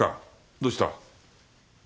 どうした？